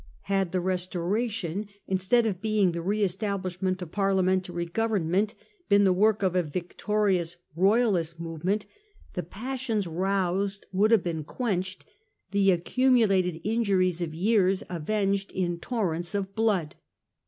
Had the Resto ration, instead of being the re establishment of Indemnity. p ar | j amen t ar y government, been the work of a victorious Royalist movement, the passions roused would have been quenched, the accumulated injuries of years avenged in torrents of blood.